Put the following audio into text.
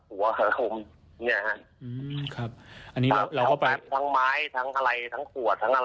หัวหัวผมเนี่ยครับแป๊บแป๊บทั้งไม้ทั้งอะไรทั้งขวดทั้งอะไร